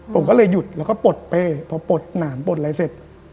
ผมก็เลยหยุดแล้วก็ปลดเป้พอปลดหนามปลดอะไรเสร็จ